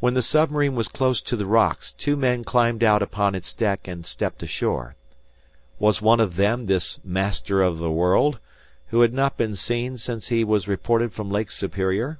When the submarine was close to the rocks, two men climbed out upon its deck and stepped ashore. Was one of them this Master of the World, who had not been seen since he was reported from Lake Superior?